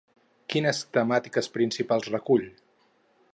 Quines temàtiques principals recull?